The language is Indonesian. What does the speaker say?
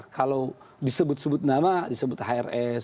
kalau disebut sebut nama disebut hrs